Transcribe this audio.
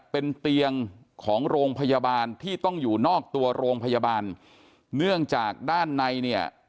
เป็นเตียงของโรงพยาบาลที่ต้องอยู่นอกตัวโรงพยาบาลเนื่องจากด้านในเนี่ย